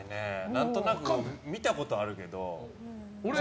何となく見たことはあるけど。